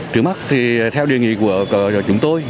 trước mắt theo đề nghị của chúng tôi